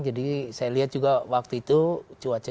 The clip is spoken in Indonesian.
jadi saya lihat juga waktu itu cuaca